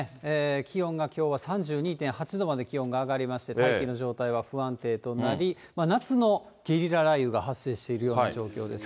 気温がきょうは３２．８度まで気温が上がりまして、大気の状態は不安定となり、夏のゲリラ雷雨が発生しているような状況ですね。